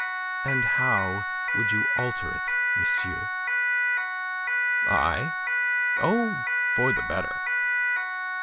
"And how would you alter it, monsieur?" "I? Oh, for the better."